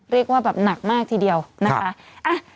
เรียกว่าแบบหนักมากทีเดียวนะคะ